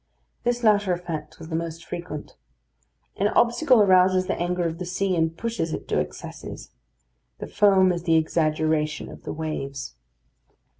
This latter effect was the most frequent. An obstacle arouses the anger of the sea, and pushes it to excesses. The foam is the exaggeration of the waves.